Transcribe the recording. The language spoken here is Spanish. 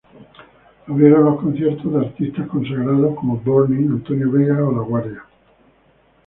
Abrieron los conciertos de artistas consagrados como Burning, Antonio Vega o La Guardia.